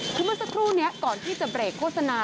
คือเมื่อสักครู่นี้ก่อนที่จะเบรกโฆษณา